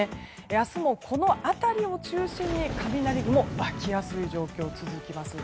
明日もこの辺りを中心に雷雲が湧きやすい状況が続きます。